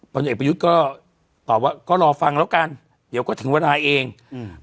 ผลเอกประยุทธ์ก็ตอบว่าก็รอฟังแล้วกันเดี๋ยวก็ถึงเวลาเองอืม